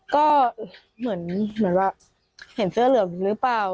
ก็เหมือนว่าเห็นเสื้อเหลืองหรือเปล่า